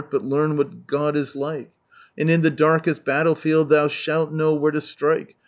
but learn what God is like, And in the darkest battlefield thou shalt know where to strike.